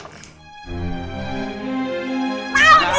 tau dia ngarum